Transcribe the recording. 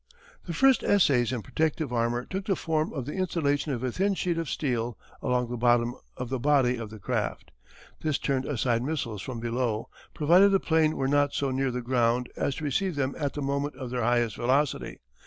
The first essays in protective armour took the form of the installation of a thin sheet of steel along the bottom of the body of the craft. This turned aside missiles from below provided the plane were not so near the ground as to receive them at the moment of their highest velocity.